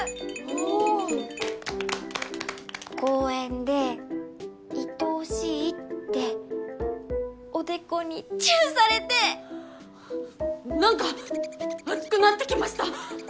おおー公園でいとおしいっておでこにチューされてなんか暑くなってきました